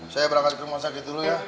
saya berangkat ke rumah sakit dulu ya